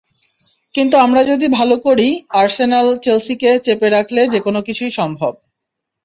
কিন্তু আমরা যদি ভালো করি, আর্সেনাল চেলসিকে চাপে রাখলে যেকোনো কিছুই সম্ভব।